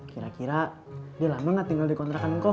kira kira dia lama enggak tinggal di kontrakan engkau